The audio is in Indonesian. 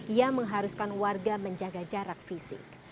ia mengharuskan warga menjaga jarak fisik